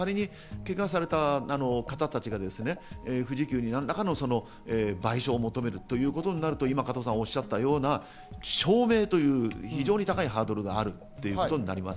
けがされた方たちが賠償を求めるということを加藤さんが今おっしゃったような、証明という非常に高いハードルがあるということになります。